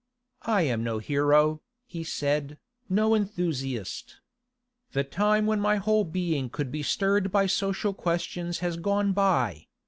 'I am no hero,' he said, 'no enthusiast. The time when my whole being could be stirred by social questions has gone by.